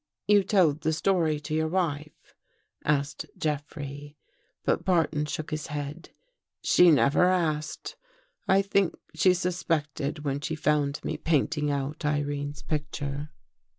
" You told the story to your wife? " asked Jeff rey. But Barton shook his head. " She never asked. I think she suspected when she found me painting out Irene's picture."